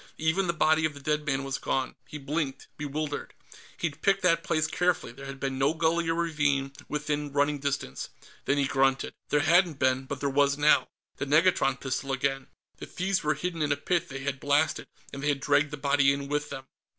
Even the body of the dead man was gone. He blinked, bewildered. He'd picked that place carefully; there had been no gully or ravine within running distance. Then he grunted. There hadn't been but there was now. The negatron pistol again. The thieves were hidden in a pit they had blasted, and they had dragged the body in with them.